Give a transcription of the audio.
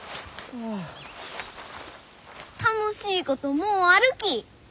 楽しいこともうあるき。